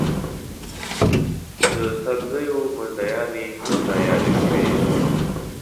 د سبزیو منډیانې هم رایادې شوې.